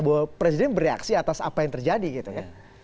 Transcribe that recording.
bahwa presiden bereaksi atas apa yang terjadi gitu kan